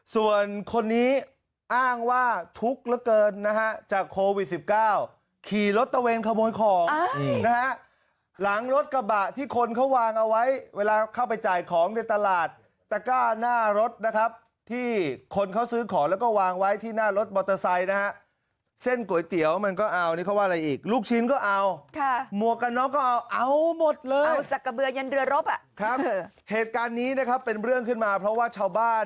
ส่วนคนนี้อ้างว่าทุกข์เหลือเกินนะฮะจากโควิดสิบเก้าขี่รถตะเวงขโมยของนะฮะหลังรถกระบะที่คนเขาวางเอาไว้เวลาเข้าไปจ่ายของในตลาดตะกร้าหน้ารถนะครับที่คนเขาซื้อของแล้วก็วางไว้ที่หน้ารถมอเตอร์ไซค์นะฮะเส้นก๋วยเตี๋ยวมันก็เอานี่เขาว่าอะไรอีกลูกชิ้นก็เอาค่ะหมวกกับน้องก็เอาเอาหมดเลยเอา